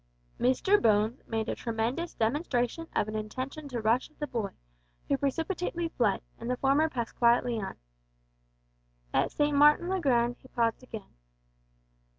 Mr Bones made a tremendous demonstration of an intention to rush at the boy, who precipitately fled, and the former passed quietly on. At St. Martin's le Grand he paused again.